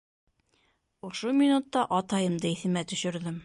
Ошо минутта атайымды иҫемә төшөрҙөм.